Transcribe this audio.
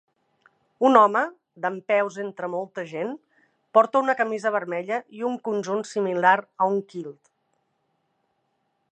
Un home, dempeus entre molta gent, porta una camisa vermella i un conjunt similar a un kilt.